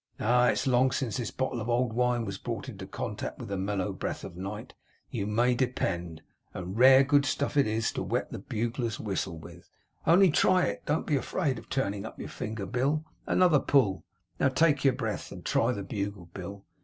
Ah! It is long since this bottle of old wine was brought into contact with the mellow breath of night, you may depend, and rare good stuff it is to wet a bugler's whistle with. Only try it. Don't be afraid of turning up your finger, Bill, another pull! Now, take your breath, and try the bugle, Bill.